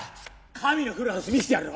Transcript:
神のフルハウス見してやるよ。